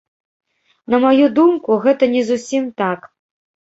На маю думку, гэта не зусім так.